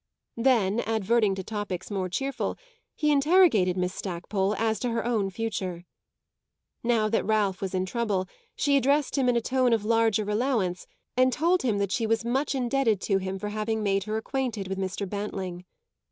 Then, adverting to topics more cheerful, he interrogated Miss Stackpole as to her own future. Now that Ralph was in trouble she addressed him in a tone of larger allowance and told him that she was much indebted to him for having made her acquainted with Mr. Bantling.